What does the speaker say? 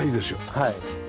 はい。